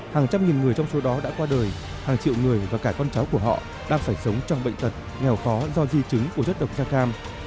hàng trăm nghìn người trong số đó đã qua đời hàng triệu người và cả con cháu của họ đang phải sống trong bệnh tật nghèo khó do di chứng của chất độc da cam